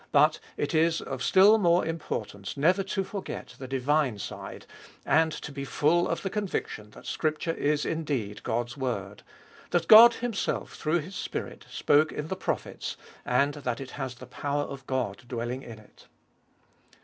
But it is of still more importance never to forget the divine side, and to be full of the conviction that Scripture is indeed God's word ; that God Himself, through His Spirit, spoke in the prophets, and that it has the power of God dwelling in it.